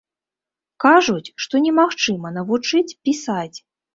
Кажуць, што немагчыма навучыць пісаць.